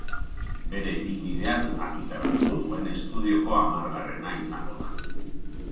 Bere ibilbidean argitaratuko duen estudioko hamargarrena izango da.